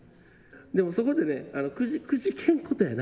でもそこでね、くじけんことやな。